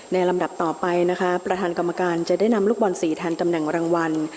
ลำดับต่อไปนะคะประธานกรรมการจะได้นำลูกบอล๔แทนตำแหน่งรางวัล